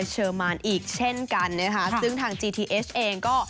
ใช่แล้วค่ะ